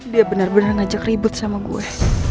dia bener bener ngajak ribut sama gue